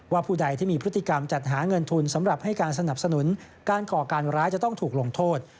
ผู้ใดที่มีพฤติกรรมจัดหาเงินทุนสำหรับให้การสนับสนุนการก่อการร้ายจะต้องถูกลงโทษ